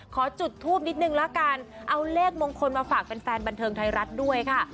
ขอจุดทูปนิดนึงละกันเอาเลขมงคลมาฝากแฟนบันเทิงไทยรัฐด้วยค่ะ